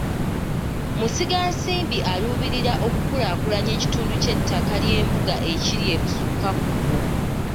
Musigansimbi aluubirira okukulaakulanya ekitundu ky’ettaka ly’embuga ekiri ebusukka kkubo.